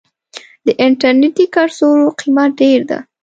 د انټرنيټي کڅوړو قيمت ډير ده.